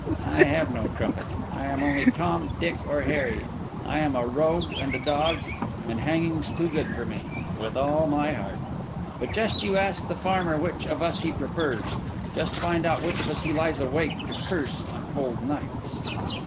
I have no trumpet; I am only Tom, Dick, or Harry; I am a rogue and a dog, and hanging's too good for me—with all my heart; but just you ask the farmer which of us he prefers, just find out which of us he lies awake to curse on cold nights."